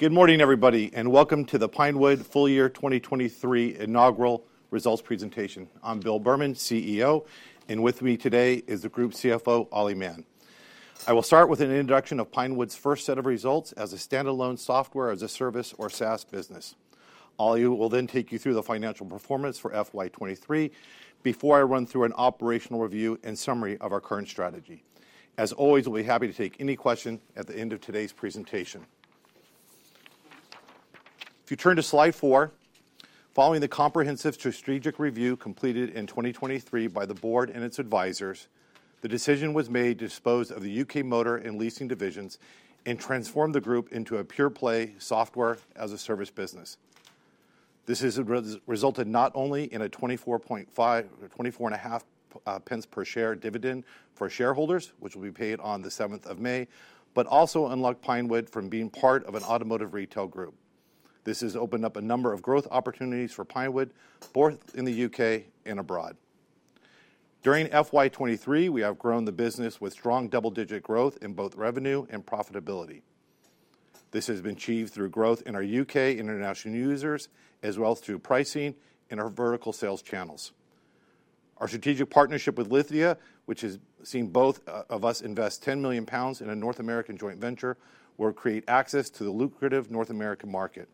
Good morning, everybody, and welcome to the Pinewood Full Year 2023 Inaugural Results Presentation. I'm Bill Berman, CEO, and with me today is the Group CFO, Ollie Mann. I will start with an introduction of Pinewood's first set of results as a standalone software as a service or SaaS business. Ollie will then take you through the financial performance for FY23 before I run through an operational review and summary of our current strategy. As always, we'll be happy to take any question at the end of today's presentation. If you turn to slide 4, following the comprehensive strategic review completed in 2023 by the board and its advisors, the decision was made to dispose of the UK Motor and Leasing divisions and transform the group into a pure-play software as a service business. This has resulted not only in a 0.245 per share dividend for shareholders, which will be paid on the 7th of May, but also unlocked Pinewood from being part of an automotive retail group. This has opened up a number of growth opportunities for Pinewood both in the UK and abroad. During FY23, we have grown the business with strong double-digit growth in both revenue and profitability. This has been achieved through growth in our UK international users, as well as through pricing and our vertical sales channels. Our strategic partnership with Lithia, which has seen both of us invest 10 million pounds in a North American joint venture, will create access to the lucrative North American market.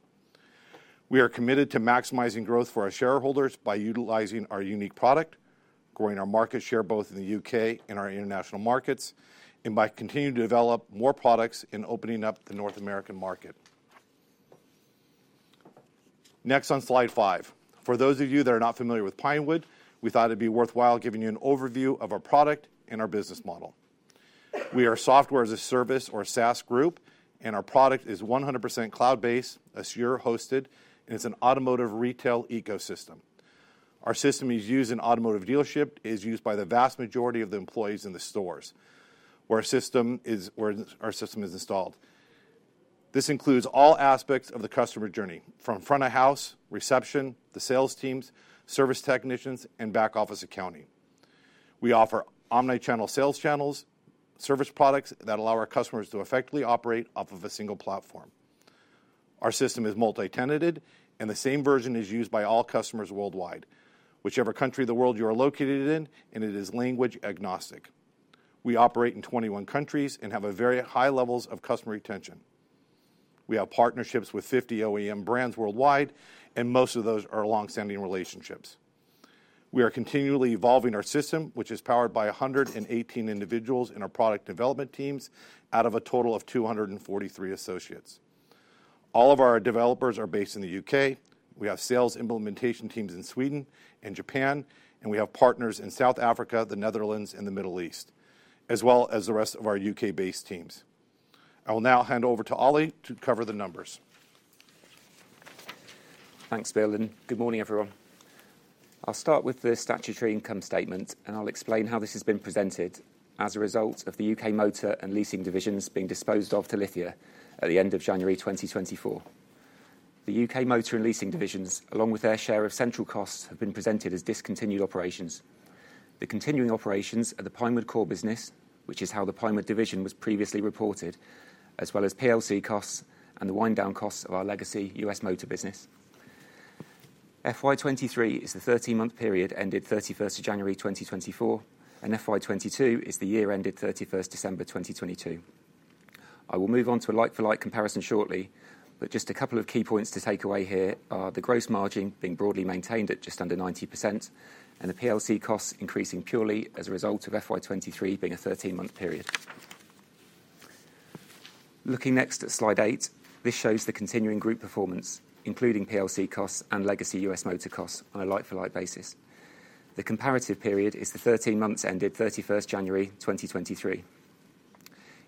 We are committed to maximizing growth for our shareholders by utilizing our unique product, growing our market share both in the UK and our international markets, and by continuing to develop more products and opening up the North American market. Next on slide five, for those of you that are not familiar with Pinewood, we thought it'd be worthwhile giving you an overview of our product and our business model. We are a software as a service or SaaS group, and our product is 100% cloud-based, Azure-hosted, and it's an automotive retail ecosystem. Our system is used in automotive dealership, is used by the vast majority of the employees in the stores where our system is installed. This includes all aspects of the customer journey from front of house, reception, the sales teams, service technicians, and back office accounting. We offer omni-channel sales channels, service products that allow our customers to effectively operate off of a single platform. Our system is multi-tenanted, and the same version is used by all customers worldwide, whichever country of the world you are located in, and it is language agnostic. We operate in 21 countries and have very high levels of customer retention. We have partnerships with 50 OEM brands worldwide, and most of those are longstanding relationships. We are continually evolving our system, which is powered by 118 individuals in our product development teams out of a total of 243 associates. All of our developers are based in the U.K. We have sales implementation teams in Sweden and Japan, and we have partners in South Africa, the Netherlands, and the Middle East, as well as the rest of our U.K.-based teams. I will now hand over to Ollie to cover the numbers. Thanks, Bill, and good morning, everyone. I'll start with the statutory income statement, and I'll explain how this has been presented as a result of the UK Motor and Leasing divisions being disposed of to Lithia at the end of January 2024. The UK Motor and Leasing divisions, along with their share of central costs, have been presented as discontinued operations. The continuing operations are the Pinewood core business, which is how the Pinewood division was previously reported, as well as PLC costs and the wind-down costs of our legacy US motor business. FY23 is the 13-month period ended 31st January 2024, and FY22 is the year ended 31st December 2022. I will move on to a like-for-like comparison shortly, but just a couple of key points to take away here are the gross margin being broadly maintained at just under 90% and the PLC costs increasing purely as a result of FY23 being a 13-month period. Looking next at slide 8, this shows the continuing group performance, including PLC costs and legacy U.S. motor costs, on a like-for-like basis. The comparative period is the 13 months ended 31st January 2023.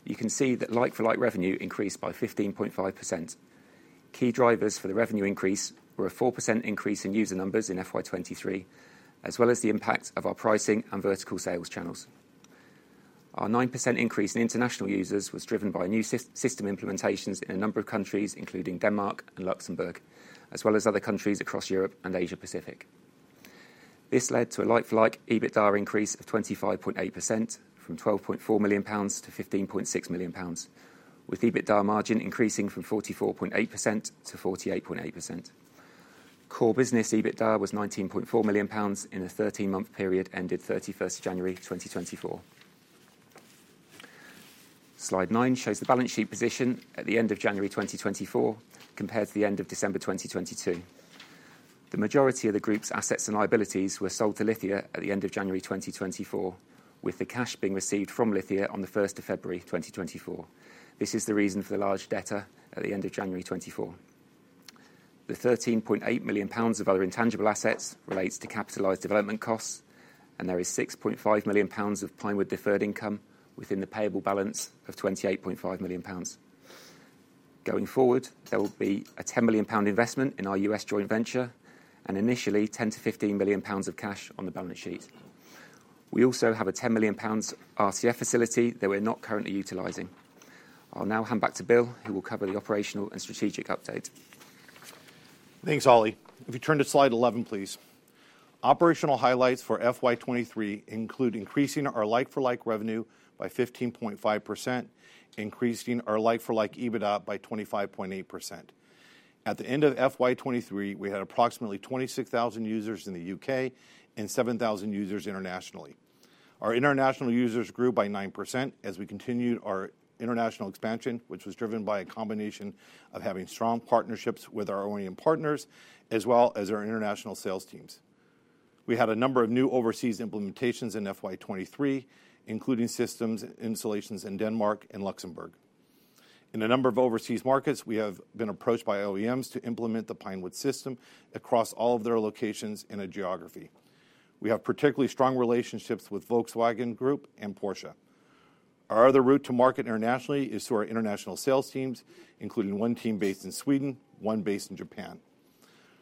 You can see that like-for-like revenue increased by 15.5%. Key drivers for the revenue increase were a 4% increase in user numbers in FY23, as well as the impact of our pricing and vertical sales channels. Our 9% increase in international users was driven by new system implementations in a number of countries, including Denmark and Luxembourg, as well as other countries across Europe and Asia-Pacific. This led to a like-for-like EBITDA increase of 25.8% from 12.4 million pounds to 15.6 million pounds, with EBITDA margin increasing from 44.8% to 48.8%. Core business EBITDA was GBP 19.4 million in a 13-month period ended 31st January 2024. Slide nine shows the balance sheet position at the end of January 2024 compared to the end of December 2022. The majority of the group's assets and liabilities were sold to Lithia at the end of January 2024, with the cash being received from Lithia on the 1st of February 2024. This is the reason for the large debtor at the end of January 2024. The GBP 13.8 million of other intangible assets relates to capitalized development costs, and there is GBP 6.5 million of Pinewood deferred income within the payable balance of GBP 28.5 million. Going forward, there will be a GBP 10 million investment in our US joint venture and initially GBP 10 million-GBP 15 million of cash on the balance sheet. We also have a GBP 10 million RCF facility that we're not currently utilizing. I'll now hand back to Bill, who will cover the operational and strategic updates. Thanks, Ollie. If you turn to slide 11, please. Operational highlights for FY23 include increasing our like-for-like revenue by 15.5%, increasing our like-for-like EBITDA by 25.8%. At the end of FY23, we had approximately 26,000 users in the U.K. and 7,000 users internationally. Our international users grew by 9% as we continued our international expansion, which was driven by a combination of having strong partnerships with our OEM partners as well as our international sales teams. We had a number of new overseas implementations in FY23, including systems installations in Denmark and Luxembourg. In a number of overseas markets, we have been approached by OEMs to implement the Pinewood system across all of their locations in a geography. We have particularly strong relationships with Volkswagen Group and Porsche. Our other route to market internationally is through our international sales teams, including one team based in Sweden, one based in Japan.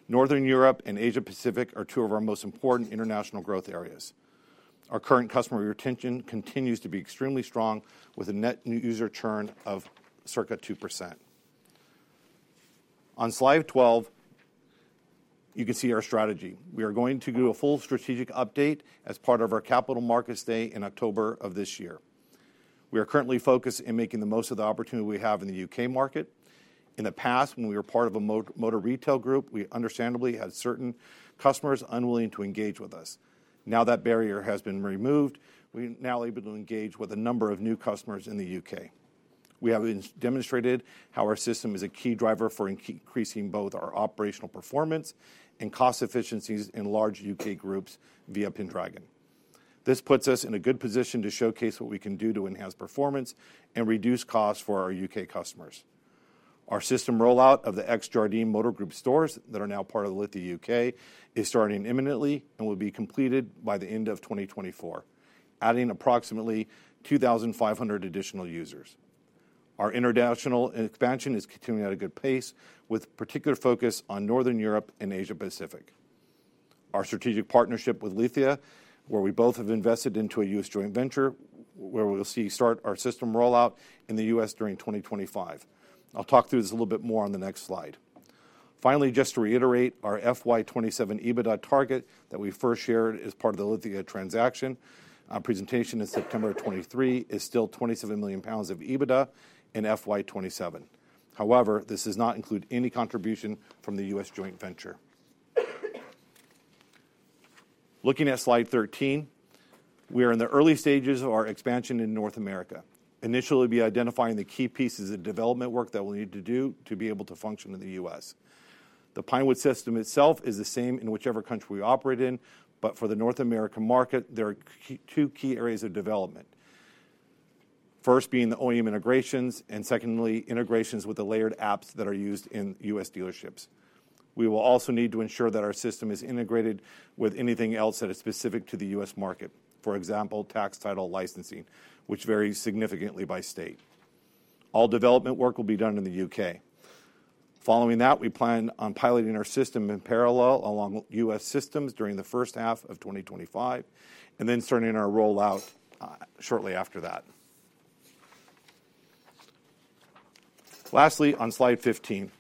Northern Europe and Asia-Pacific are two of our most important international growth areas. Our current customer retention continues to be extremely strong, with a net new user churn of circa 2%. On slide 12, you can see our strategy. We are going to do a full strategic update as part of our Capital Markets Day in October of this year. We are currently focused in making the most of the opportunity we have in the UK market. In the past, when we were part of a motor retail group, we understandably had certain customers unwilling to engage with us. Now that barrier has been removed, we're now able to engage with a number of new customers in the UK. We have demonstrated how our system is a key driver for increasing both our operational performance and cost efficiencies in large UK groups via Pendragon. This puts us in a good position to showcase what we can do to enhance performance and reduce costs for our UK customers. Our system rollout of the Jardine Motor Group stores that are now part of the Lithia UK is starting imminently and will be completed by the end of 2024, adding approximately 2,500 additional users. Our international expansion is continuing at a good pace, with particular focus on Northern Europe and Asia-Pacific. Our strategic partnership with Lithia, where we both have invested into a U.S. joint venture, where we'll start our system rollout in the U.S. during 2025. I'll talk through this a little bit more on the next slide. Finally, just to reiterate, our FY27 EBITDA target that we first shared as part of the Lithia transaction presentation in September of 2023 is still 27 million pounds of EBITDA in FY27. However, this does not include any contribution from the U.S. joint venture. Looking at slide 13, we are in the early stages of our expansion in North America. Initially, we'll be identifying the key pieces of development work that we'll need to do to be able to function in the U.S. The Pinewood system itself is the same in whichever country we operate in, but for the North American market, there are two key areas of development. First being the OEM integrations and secondly integrations with the layered apps that are used in U.S. dealerships. We will also need to ensure that our system is integrated with anything else that is specific to the U.S. market, for example, tax title licensing, which varies significantly by state. All development work will be done in the U.K. Following that, we plan on piloting our system in parallel along US systems during the first half of 2025 and then starting our rollout shortly after that. Lastly, on slide 15,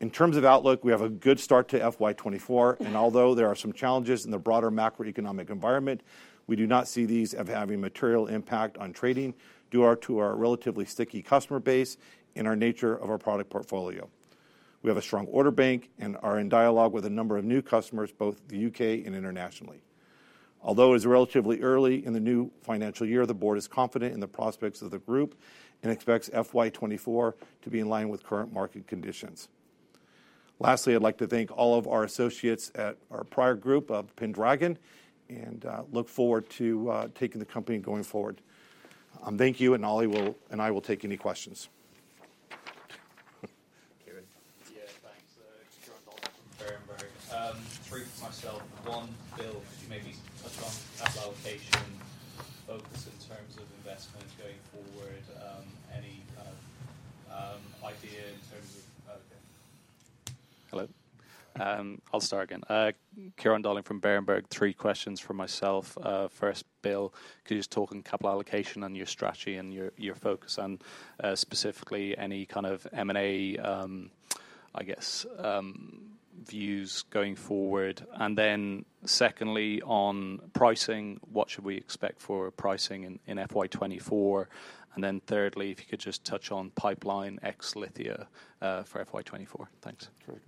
in terms of outlook, we have a good start to FY24, and although there are some challenges in the broader macroeconomic environment, we do not see these having material impact on trading due to our relatively sticky customer base and our nature of our product portfolio. We have a strong order bank and are in dialogue with a number of new customers, both the UK and internationally. Although it's relatively early in the new financial year, the board is confident in the prospects of the group and expects FY24 to be in line with current market conditions. Lastly, I'd like to thank all of our associates at our prior group of Pendragon and look forward to taking the company going forward. Thank you, and Ollie and I will take any questions. Yeah, thanks. John Dawson from Berenberg. Three for myself. One, Bill, could you maybe touch on capital allocation, focus in terms of investments going forward? Any kind of idea in terms of. Hello. I'll start again. Kieran Darling from Berenberg. Three questions for myself. First, Bill, could you just talk a couple of allocation on your strategy and your focus on specifically any kind of M&A, I guess, views going forward? And then secondly, on pricing, what should we expect for pricing in FY24? And then thirdly, if you could just touch on pipeline ex-Lithia for FY24. Thanks. Terrific.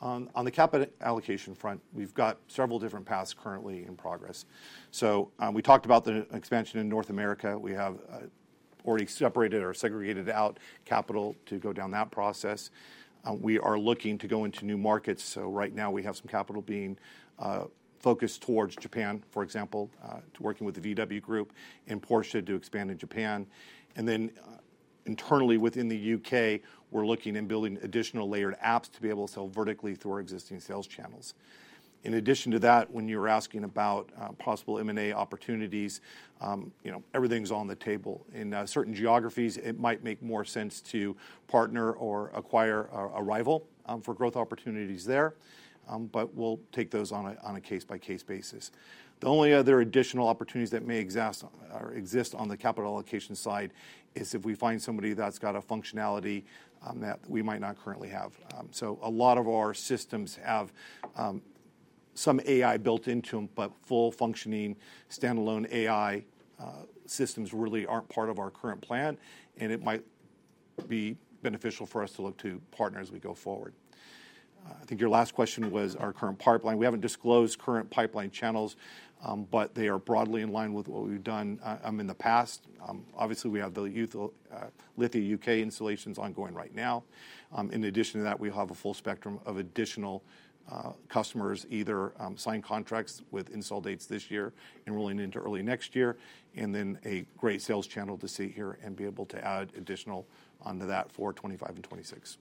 On the capital allocation front, we've got several different paths currently in progress. We talked about the expansion in North America. We have already separated or segregated out capital to go down that process. We are looking to go into new markets. Right now, we have some capital being focused towards Japan, for example, working with the VW Group and Porsche to expand in Japan. Then internally within the UK, we're looking at building additional layered apps to be able to sell vertically through our existing sales channels. In addition to that, when you were asking about possible M&A opportunities, everything's on the table. In certain geographies, it might make more sense to partner or acquire a rival for growth opportunities there, but we'll take those on a case-by-case basis. The only other additional opportunities that may exist on the capital allocation side is if we find somebody that's got a functionality that we might not currently have. So a lot of our systems have some AI built into them, but full functioning standalone AI systems really aren't part of our current plan, and it might be beneficial for us to look to partner as we go forward. I think your last question was our current pipeline. We haven't disclosed current pipeline channels, but they are broadly in line with what we've done in the past. Obviously, we have the Lithia UK installations ongoing right now. In addition to that, we have a full spectrum of additional customers, either signed contracts with install dates this year enrolling into early next year, and then a great sales channel to see here and be able to add additional onto that for 2025 and 2026.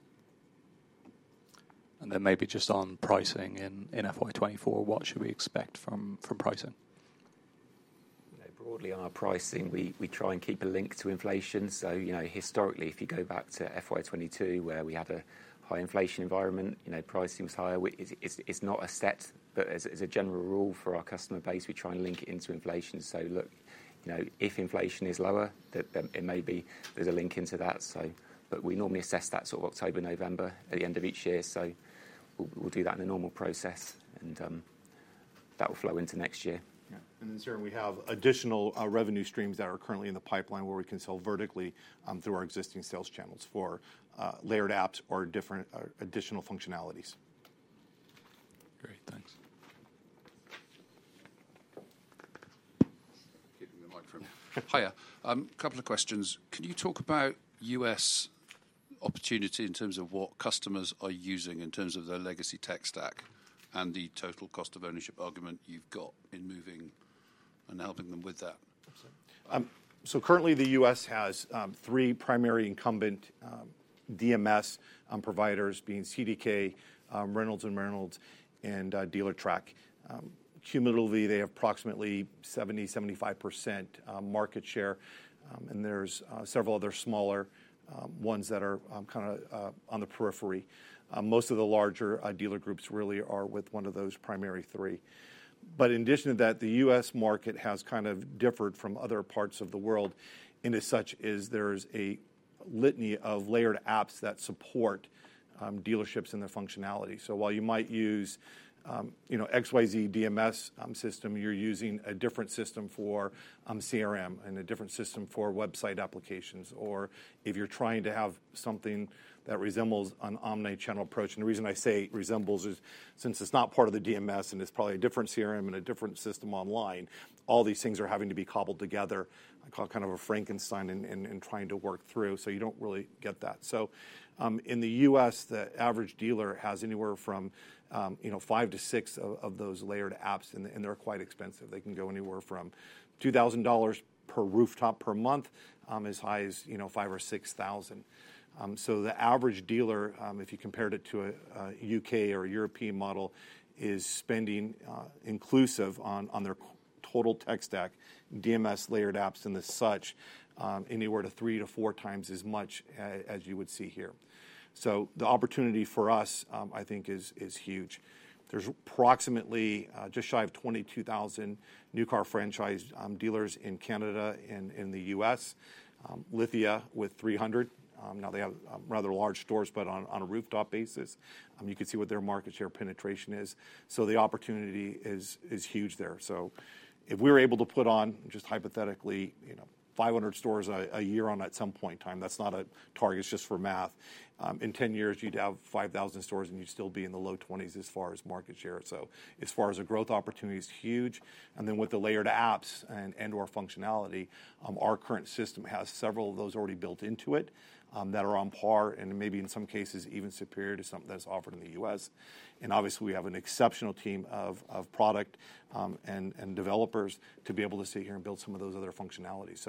Maybe just on pricing in FY24, what should we expect from pricing? Broadly, our pricing, we try and keep a link to inflation. So historically, if you go back to FY22, where we had a high inflation environment, pricing was higher. It's not a set, but as a general rule for our customer base, we try and link it into inflation. So look, if inflation is lower, it may be there's a link into that. But we normally assess that sort of October, November at the end of each year. So we'll do that in a normal process, and that will flow into next year. Yeah. And then certainly, we have additional revenue streams that are currently in the pipeline where we can sell vertically through our existing sales channels for layered apps or different additional functionalities. Great. Thanks. Getting the microphone higher. Couple of questions. Can you talk about U.S. opportunity in terms of what customers are using in terms of their legacy tech stack and the total cost of ownership argument you've got in moving and helping them with that? Absolutely. So currently, the US has three primary incumbent DMS providers being CDK, Reynolds & Reynolds, and Dealertrack. Cumulatively, they have approximately 70%-75% market share, and there's several other smaller ones that are kind of on the periphery. Most of the larger dealer groups really are with one of those primary three. But in addition to that, the US market has kind of differed from other parts of the world in as such as there's a litany of layered apps that support dealerships in their functionality. So while you might use XYZ DMS system, you're using a different system for CRM and a different system for website applications. Or if you're trying to have something that resembles an omni-channel approach, and the reason I say resembles is since it's not part of the DMS and it's probably a different CRM and a different system online, all these things are having to be cobbled together, I call kind of a Frankenstein in trying to work through. So you don't really get that. So in the US, the average dealer has anywhere from 5-6 of those layered apps, and they're quite expensive. They can go anywhere from $2,000 per rooftop per month as high as $5,000 or $6,000. So the average dealer, if you compared it to a UK or European model, is spending inclusive on their total tech stack, DMS, layered apps, and as such, anywhere 3-4 times as much as you would see here. So the opportunity for us, I think, is huge. There's approximately just shy of 22,000 new car franchise dealers in Canada and in the US, Lithia with 300. Now, they have rather large stores, but on a rooftop basis. You can see what their market share penetration is. So the opportunity is huge there. So if we were able to put on, just hypothetically, 500 stores a year at some point in time, that's not a target. It's just for math. In 10 years, you'd have 5,000 stores, and you'd still be in the low 20s as far as market share. So as far as the growth opportunity is huge. And then with the layered apps and/or functionality, our current system has several of those already built into it that are on par and maybe in some cases even superior to something that's offered in the US. Obviously, we have an exceptional team of product and developers to be able to sit here and build some of those other functionalities.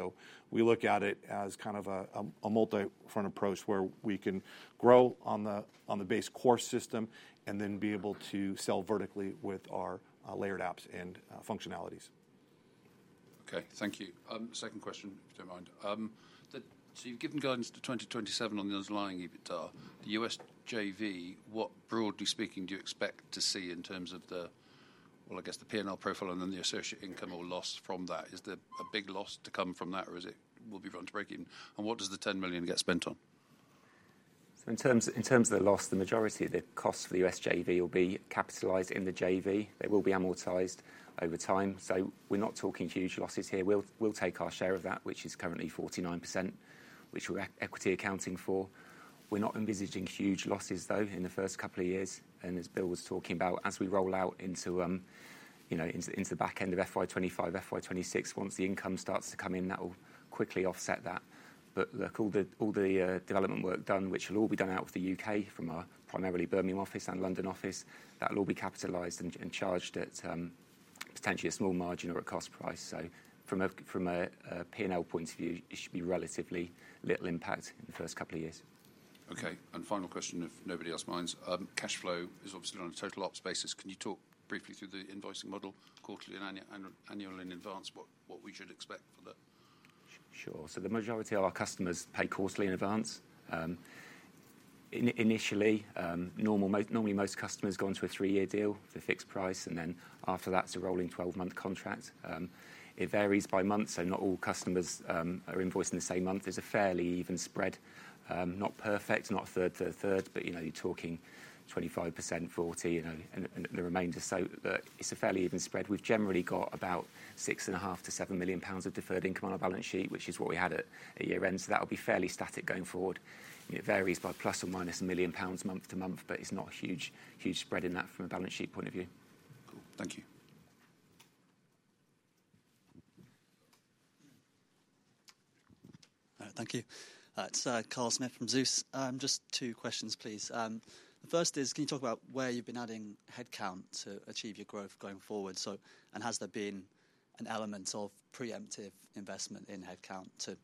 We look at it as kind of a multi-front approach where we can grow on the base core system and then be able to sell vertically with our layered apps and functionalities. Okay. Thank you. Second question, if you don't mind. So you've given guidance to 2027 on the underlying EBITDA. The US JV, what broadly speaking, do you expect to see in terms of the, well, I guess, the P&L profile and then the associate income or loss from that? Is there a big loss to come from that, or will it be run to break even? And what does the 10 million get spent on? So in terms of the loss, the majority of the costs for the US JV will be capitalized in the JV. They will be amortized over time. So we're not talking huge losses here. We'll take our share of that, which is currently 49%, which we're equity accounting for. We're not envisaging huge losses, though, in the first couple of years. And as Bill was talking about, as we roll out into the back end of FY25, FY26, once the income starts to come in, that will quickly offset that. But look, all the development work done, which will all be done out of the UK from our primarily Birmingham office and London office, that will all be capitalized and charged at potentially a small margin or a cost price. So from a P&L point of view, it should be relatively little impact in the first couple of years. Okay. Final question, if nobody else minds. Cash flow is obviously on a total ops basis. Can you talk briefly through the invoicing model quarterly and annually in advance, what we should expect for that? Sure. So the majority of our customers pay quarterly in advance. Initially, normally most customers go into a three-year deal for fixed price, and then after that, it's a rolling 12-month contract. It varies by month, so not all customers are invoicing the same month. There's a fairly even spread, not perfect, not a third to a third, but you're talking 25%, 40%, and the remainder. So it's a fairly even spread. We've generally got about 6.5-7 million pounds of deferred income on our balance sheet, which is what we had at year-end. So that will be fairly static going forward. It varies by ± 1 million pounds month to month, but it's not a huge spread in that from a balance sheet point of view. Cool. Thank you. Thank you. It's Carl Smith from Zeus. Just two questions, please. The first is, can you talk about where you've been adding headcount to achieve your growth going forward? And has there been an element of preemptive investment in headcount to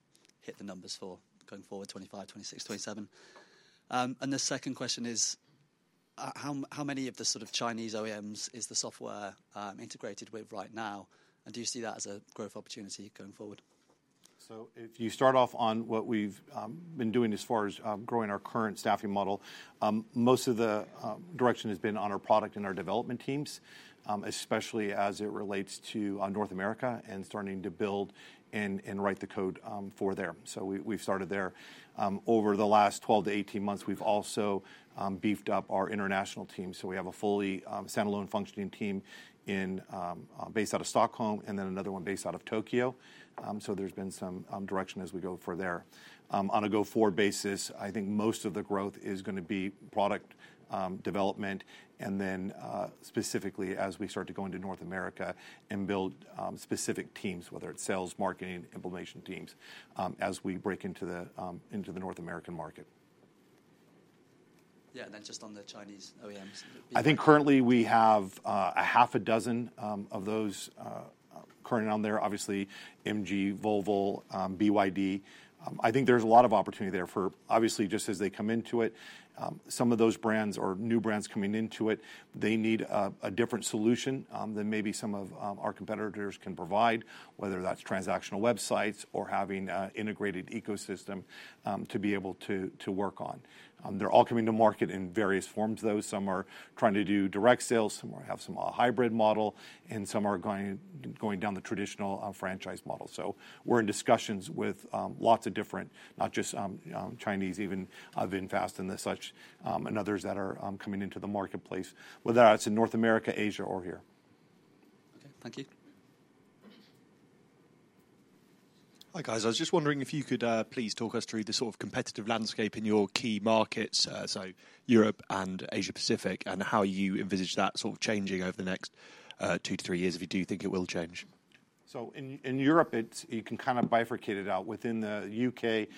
hit the numbers for going forward, 2025, 2026, 2027? And the second question is, how many of the sort of Chinese OEMs is the software integrated with right now? And do you see that as a growth opportunity going forward? So if you start off on what we've been doing as far as growing our current staffing model, most of the direction has been on our product and our development teams, especially as it relates to North America and starting to build and write the code for there. So we've started there. Over the last 12-18 months, we've also beefed up our international team. So we have a fully standalone functioning team based out of Stockholm and then another one based out of Tokyo. So there's been some direction as we go for there. On a go-forward basis, I think most of the growth is going to be product development and then specifically as we start to go into North America and build specific teams, whether it's sales, marketing, implementation teams, as we break into the North American market. Yeah. And then just on the Chinese OEMs. I think currently, we have a half a dozen of those currently on there, obviously, MG, Volvo, BYD. I think there's a lot of opportunity there for, obviously, just as they come into it, some of those brands or new brands coming into it, they need a different solution than maybe some of our competitors can provide, whether that's transactional websites or having an integrated ecosystem to be able to work on. They're all coming to market in various forms, though. Some are trying to do direct sales. Some are going to have some hybrid model, and some are going down the traditional franchise model. So we're in discussions with lots of different, not just Chinese, even VinFast and as such, and others that are coming into the marketplace, whether that's in North America, Asia, or here. Okay. Thank you. Hi guys. I was just wondering if you could please talk us through the sort of competitive landscape in your key markets, so Europe and Asia-Pacific, and how you envisage that sort of changing over the next two to three years, if you do think it will change? In Europe, you can kind of bifurcate it out. Within the UK,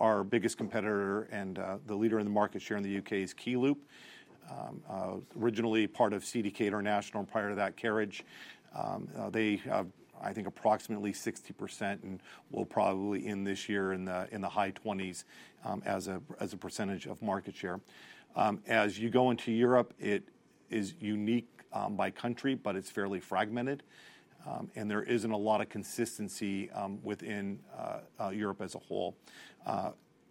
our biggest competitor and the leader in the market share in the UK is Keyloop, originally part of CDK Global and prior to that, Kerridge. They have, I think, approximately 60% and will probably end this year in the high 20s% as a percentage of market share. As you go into Europe, it is unique by country, but it's fairly fragmented, and there isn't a lot of consistency within Europe as a whole.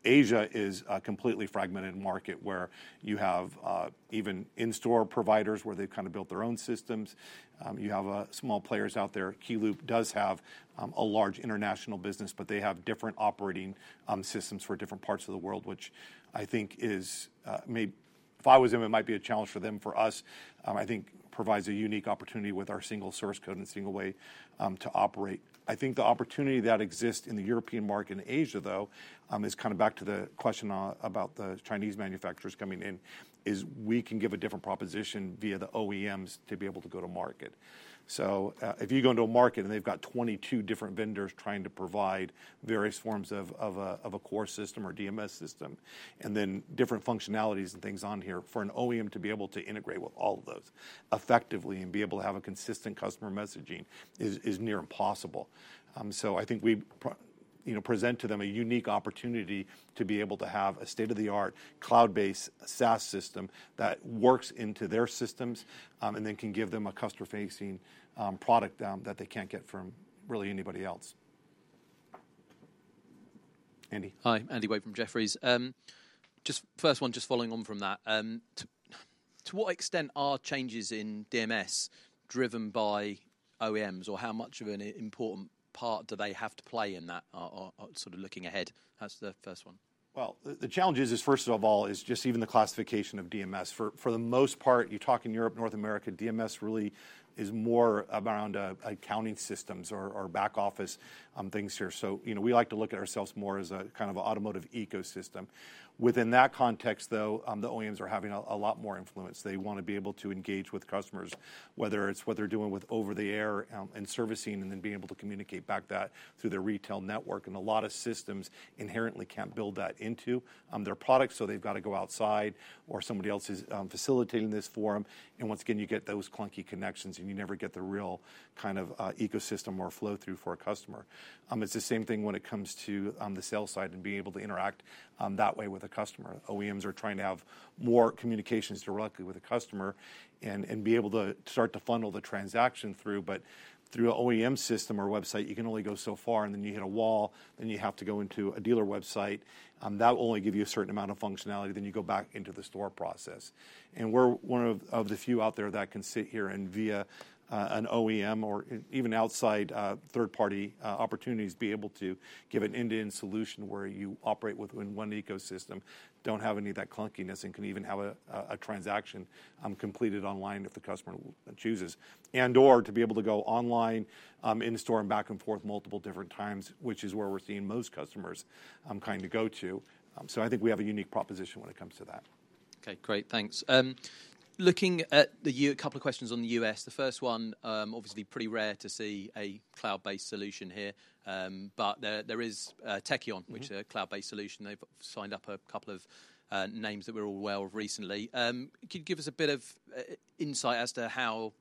Asia is a completely fragmented market where you have even in-store providers where they've kind of built their own systems. You have small players out there. Keyloop does have a large international business, but they have different operating systems for different parts of the world, which I think is maybe if I was them, it might be a challenge for them. For us, I think it provides a unique opportunity with our single source code and single way to operate. I think the opportunity that exists in the European market and Asia, though, is kind of back to the question about the Chinese manufacturers coming in, is we can give a different proposition via the OEMs to be able to go to market. So if you go into a market and they've got 22 different vendors trying to provide various forms of a core system or DMS system and then different functionalities and things on here, for an OEM to be able to integrate with all of those effectively and be able to have a consistent customer messaging is near impossible. I think we present to them a unique opportunity to be able to have a state-of-the-art cloud-based SaaS system that works into their systems and then can give them a customer-facing product that they can't get from really anybody else. Andy? Hi. Andy Wade from Jefferies. First one, just following on from that. To what extent are changes in DMS driven by OEMs, or how much of an important part do they have to play in that, sort of looking ahead? That's the first one. Well, the challenge is, first of all, is just even the classification of DMS. For the most part, you talk in Europe, North America, DMS really is more around accounting systems or back-office things here. So we like to look at ourselves more as a kind of automotive ecosystem. Within that context, though, the OEMs are having a lot more influence. They want to be able to engage with customers, whether it's what they're doing with over-the-air and servicing and then being able to communicate back that through their retail network. And a lot of systems inherently can't build that into their product, so they've got to go outside or somebody else is facilitating this for them. And once again, you get those clunky connections, and you never get the real kind of ecosystem or flow through for a customer. It's the same thing when it comes to the sales side and being able to interact that way with a customer. OEMs are trying to have more communications directly with a customer and be able to start to funnel the transaction through. But through an OEM system or website, you can only go so far, and then you hit a wall, then you have to go into a dealer website. That will only give you a certain amount of functionality. Then you go back into the store process. We're one of the few out there that can sit here and via an OEM or even outside third-party opportunities be able to give an end-to-end solution where you operate within one ecosystem, don't have any of that clunkiness, and can even have a transaction completed online if the customer chooses, and/or to be able to go online, in-store, and back and forth multiple different times, which is where we're seeing most customers kind of go to. I think we have a unique proposition when it comes to that. Okay. Great. Thanks. Looking at a couple of questions on the U.S., the first one, obviously pretty rare to see a cloud-based solution here, but there is Tekion, which is a cloud-based solution. They've signed up a couple of names that we're all aware of recently. Could you give us a bit of insight as to how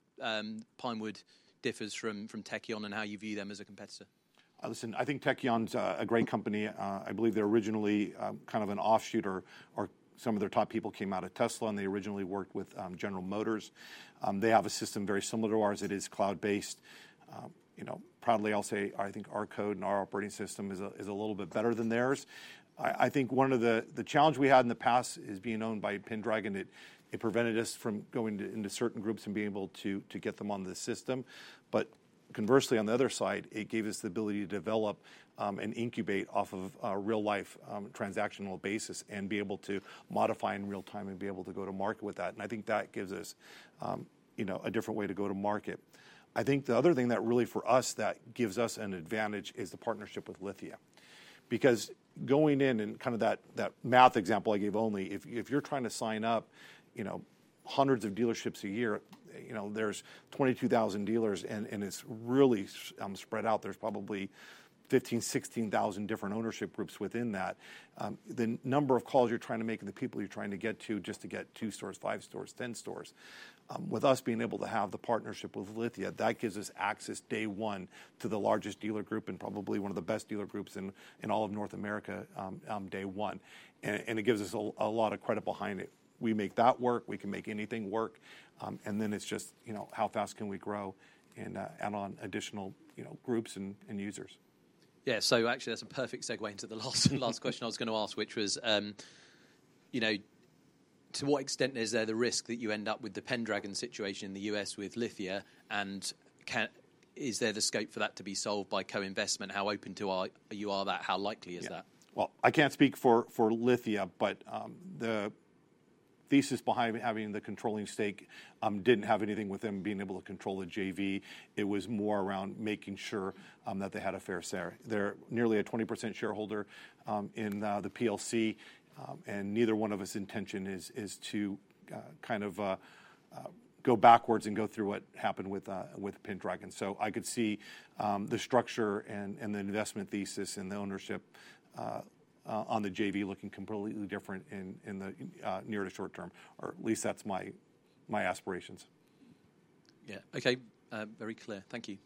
Pinewood differs from Tekion and how you view them as a competitor? Listen, I think Tekion's a great company. I believe they're originally kind of an offshoot, or some of their top people came out of Tesla, and they originally worked with General Motors. They have a system very similar to ours. It is cloud-based. Proudly, I'll say, I think our code and our operating system is a little bit better than theirs. I think one of the challenges we had in the past is being owned by Pendragon. It prevented us from going into certain groups and being able to get them on the system. But conversely, on the other side, it gave us the ability to develop and incubate off of a real-life transactional basis and be able to modify in real time and be able to go to market with that. And I think that gives us a different way to go to market. I think the other thing that really, for us, that gives us an advantage is the partnership with Lithia. Because going in and kind of that math example I gave only, if you're trying to sign up hundreds of dealerships a year, there's 22,000 dealers, and it's really spread out. There's probably 15,000, 16,000 different ownership groups within that. The number of calls you're trying to make and the people you're trying to get to just to get 2 stores, 5 stores, 10 stores. With us being able to have the partnership with Lithia, that gives us access day one to the largest dealer group and probably one of the best dealer groups in all of North America day one. And it gives us a lot of credit behind it. We make that work. We can make anything work. It's just how fast can we grow and add on additional groups and users? Yeah. So actually, that's a perfect segue into the last question I was going to ask, which was, to what extent is there the risk that you end up with the Pendragon situation in the U.S. with Lithia, and is there the scope for that to be solved by co-investment? How open are you to that? How likely is that? Well, I can't speak for Lithia, but the thesis behind having the controlling stake didn't have anything with them being able to control the JV. It was more around making sure that they had a fair share. They're nearly a 20% shareholder in the PLC, and neither one of us' intention is to kind of go backwards and go through what happened with Pendragon. So I could see the structure and the investment thesis and the ownership on the JV looking completely different in the near to short term, or at least that's my aspirations. Yeah. Okay. Very clear. Thank you.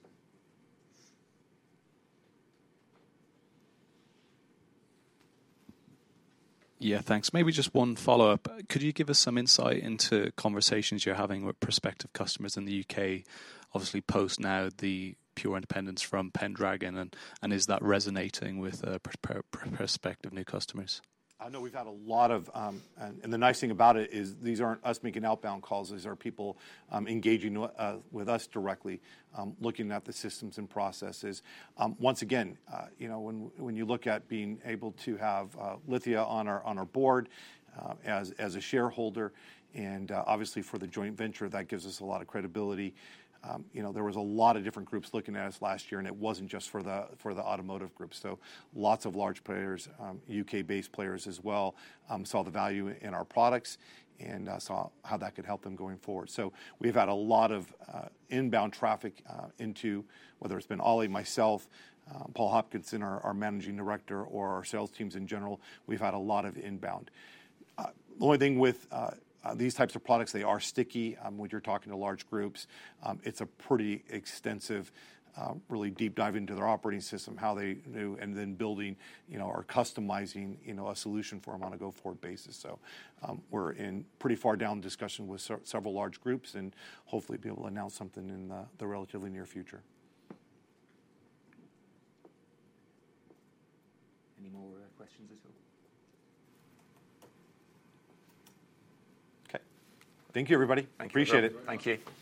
Yeah. Thanks. Maybe just one follow-up. Could you give us some insight into conversations you're having with prospective customers in the UK, obviously post now the pure independence from Pendragon? And is that resonating with prospective new customers? I know we've had a lot of and the nice thing about it is these aren't us making outbound calls. These are people engaging with us directly, looking at the systems and processes. Once again, when you look at being able to have Lithia on our board as a shareholder and obviously for the joint venture, that gives us a lot of credibility. There was a lot of different groups looking at us last year, and it wasn't just for the automotive group. So lots of large players, U.K.-based players as well, saw the value in our products and saw how that could help them going forward. So we've had a lot of inbound traffic into, whether it's been Ollie, myself, Paul Hopkins, our Managing Director, or our sales teams in general, we've had a lot of inbound. The only thing with these types of products, they are sticky. When you're talking to large groups, it's a pretty extensive, really deep dive into their operating system, how they do, and then building or customizing a solution for them on a go-forward basis. So we're pretty far down the discussion with several large groups and hopefully be able to announce something in the relatively near future. Any more questions this week? Okay. Thank you, everybody. Appreciate it. Thank you.